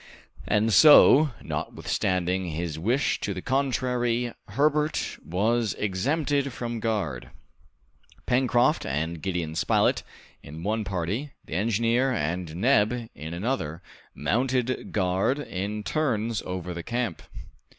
And so, notwithstanding his wish to the contrary, Herbert was exempted from guard. Pencroft and Gideon Spilett in one party, the engineer and Neb in another, mounted guard in turns over the camp.